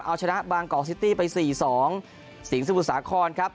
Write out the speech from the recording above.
เอาชนะบางกอกซิตี้ไป๔๒สิงสมุทรสาครครับ